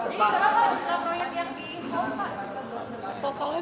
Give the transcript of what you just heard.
totalnya berapa pak